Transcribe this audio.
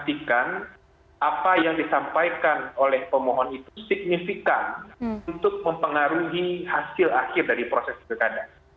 pastikan apa yang disampaikan oleh pemohon itu signifikan untuk mempengaruhi hasil akhir dari proses pilkada